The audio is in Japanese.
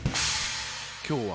今日は。